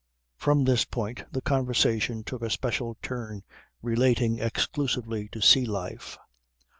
From this point the conversation took a special turn relating exclusively to sea life.